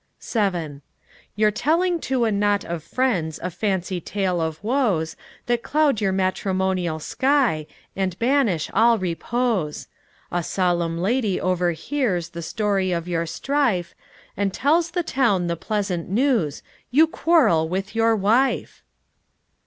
VII You're telling to a knot of friends A fancy tale of woes That cloud your matrimonial sky, And banish all repose, A solemn lady overhears The story of your strife, And tells the town the pleasant news: You quarrel with your wife!